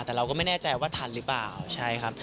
แต่เราก็ไม่แน่ใจว่าทันหรือเปล่าใช่ครับ